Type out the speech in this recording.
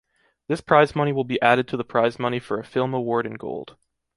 This prize money will be added to the prize money for a film award in gold.